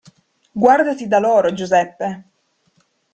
Guardati da loro, Giuseppe!